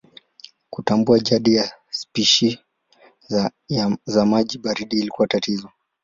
Kutambua jadi ya spishi za maji baridi ilikuwa tatizo.